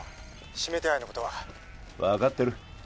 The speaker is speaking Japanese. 指名手配のことは分かってる